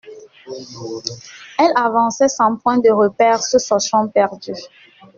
Elle avançait sans point de repère, se sachant perdue.